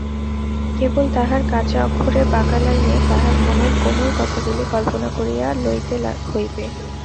কেবল তাহার কাঁচা অক্ষরে বাঁকা লাইনে তাহার মনের কোমল কথাগুলি কল্পনা করিয়া লইতে হইবে।